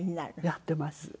やっています。